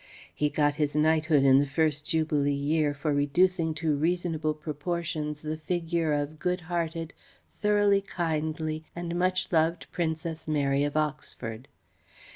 (He got his knighthood in the first jubilee year for reducing to reasonable proportions the figure of good hearted, thoroughly kindly, and much loved Princess Mary of Oxford.)